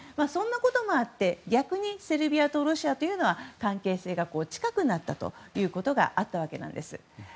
そんなこともあって逆にセルビアとロシアは関係性が近くなったことがあったわけです。